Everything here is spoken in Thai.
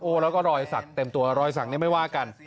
โอ้แล้วก็รอยศักดิ์เต็มตัวรอยศักดิ์นี่ไม่ว่ากัน